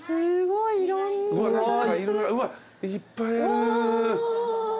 いっぱいある。